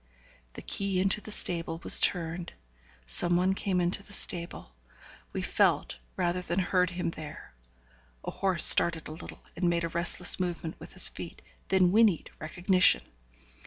The key into the stable was turned some one came into the stable we felt rather than heard him there. A horse started a little, and made a restless movement with his feet, then whinnied recognition.